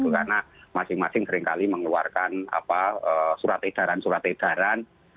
karena masing masing seringkali mengeluarkan surat edaran surat edaran